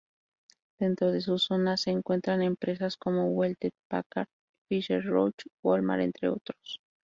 Dentro de su zona se encuentran empresas como Hewlett-Packard, Pfizer, Roche, Wal-Mart, entre otros.